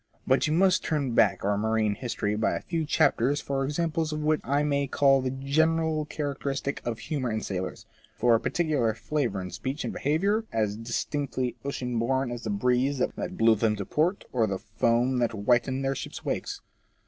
But you must turn back our marine history by a few chapters for examples of what I may call the general characteristic of humour in sailors — for a particular flavour in speech and behaviour, as distinctly ocean bom as the breeze that blew them to port, or the foam that whitened their ships' wakes.